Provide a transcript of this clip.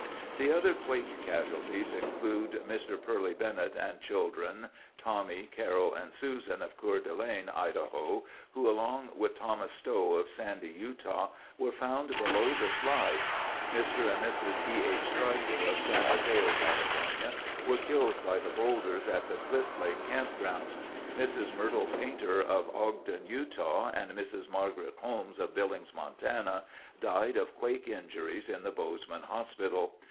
The other quake casualties include Mr. Purley Bennett and children, Tommy, Carole and Susan of Coeur d'Alene, Idaho, who, along with Thomas Stowe of Sandy, Utah, were found below the slide. Mr. and Mrs. E. H. Stryker of San Mateo, California, were killed by the boulders at the Cliff Lake Campground. Mrs. Myrtle Painter of Ogden, Utah, and Mrs. Margaret Holmes of Billings, Montana, died of quake injuries in the Bozeman Hospital.